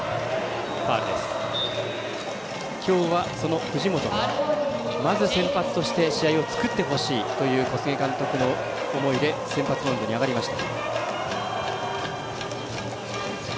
今日は、その藤本がまず先発として試合を作ってほしいという小菅監督の思いで先発マウンドに上がりました。